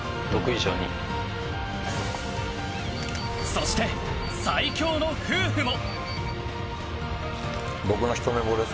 そして最強の夫婦も。